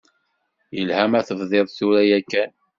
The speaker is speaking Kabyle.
Yelha ma tebdiḍ tura yakkan.